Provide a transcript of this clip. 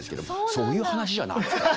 そういう話じゃないですよね！